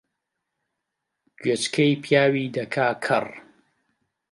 گوێچکەی پیاوی دەکا کەڕ